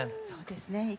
そうですね。